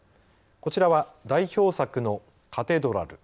こちらは代表作のカテドラル。